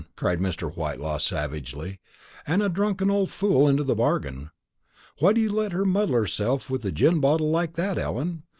cried Mr. Whitelaw savagely, "and a drunken old fool into the bargain. Why do you let her muddle herself with the gin bottle like that, Ellen?